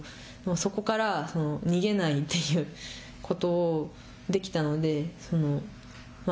そこから逃げないということをできたので。